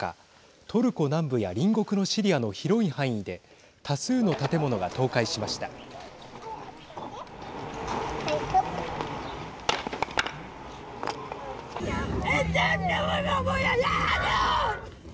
トルコ南部や隣国のシリアの広い範囲で多数の建物が倒壊しました。